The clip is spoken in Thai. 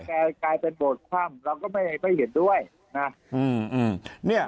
กลายเป็นบทความเราก็ไม่เห็นด้วยนะ